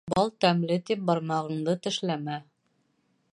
Бал тәмле тип бармағыңды тешләмә.